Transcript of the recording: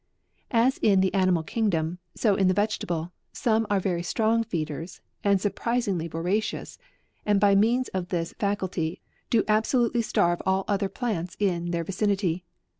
As in the animal kingdom, so in the vegetable T some are very strong feeders, and surprising ly voracious, and by means of this facul ty, do absolutely starve all other plants in, their vicinity.